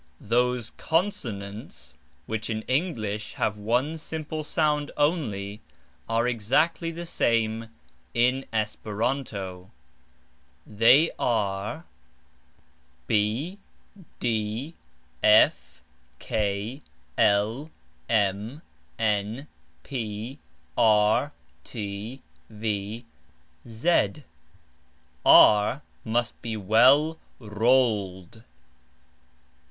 Those CONSONANTS which in English have one simple sound only are exactly the same in Esperanto; they are b, d, f, k, l, m, n, p, r, t, v, z (r must be well rolled).